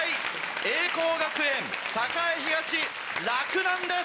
栄光学園栄東洛南です